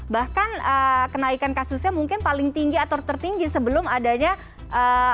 bahkan kenaikan kasusnya mungkin paling tinggi atau tertinggi sebelum adanya apa pembukaan ini